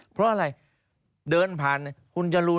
เพราะอะไรเดินผ่าน